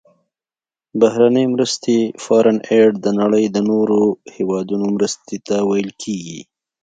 بهرنۍ مرستې Foreign Aid د نړۍ د نورو هیوادونو مرستې ته ویل کیږي.